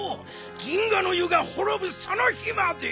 銀河の湯がほろぶその日まで！